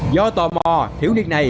do tò mò hiểu nhận này